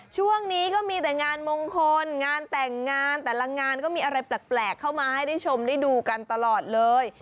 ช่วงนี้ก็มีแต่งานมงคลงานแต่งงานแต่ละงานก็มีอะไรแปลกเข้ามาให้ได้ชมได้ดูกันตลอดเลย